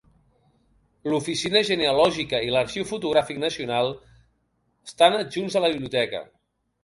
L'Oficina Genealògica i l'Arxiu Fotogràfic Nacional estan adjunts a la biblioteca.